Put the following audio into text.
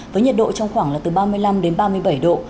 với nhiệt độ trong khoảng là từ ba mươi năm đến ba mươi bảy độ